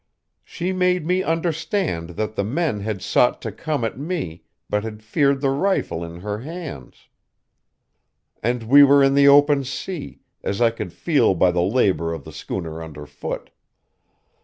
She made me understand that the men had sought to come at me, but had feared the rifle in her hands.... "And we were in the open sea, as I could feel by the labor of the schooner underfoot.